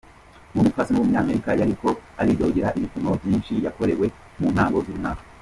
Uwo mupfasoni w'umunyamerika yariko aridogera ibipimo vyinshi yakorewe mu ntango z'uyu mwaka.